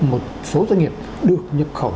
một số doanh nghiệp được nhập khẩu